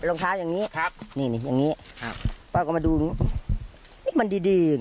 รองเท้าอย่างนี้ครับนี่นี่อย่างนี้ครับป้าก็มาดูนี่มันดีดีอย่าง